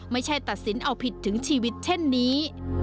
ไม่ใช่ตัดสินเอาผิดถึงชีวิตเช่นนี้